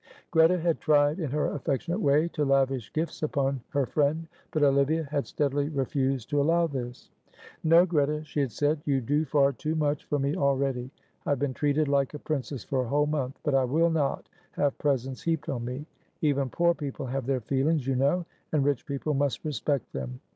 Greta had tried in her affectionate way to lavish gifts upon her friend, but Olivia had steadily refused to allow this. "No, Greta," she had said, "you do far too much for me already. I have been treated like a princess for a whole month, but I will not have presents heaped on me. Even poor people have their feelings, you know, and rich people must respect them."